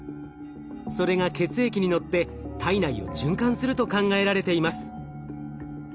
それが血液にのって体内を循環すると考えられています。